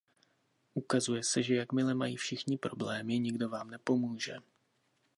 Ukazuje se, že jakmile mají všichni problémy, nikdo vám nepomůže.